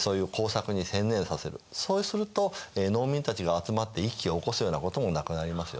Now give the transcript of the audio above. そうすると農民たちが集まって一揆を起こすようなこともなくなりますよね。